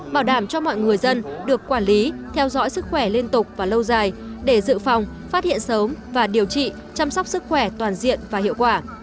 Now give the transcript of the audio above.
bảo đảm cho mọi người dân được quản lý theo dõi sức khỏe liên tục và lâu dài để dự phòng phát hiện sớm và điều trị chăm sóc sức khỏe toàn diện và hiệu quả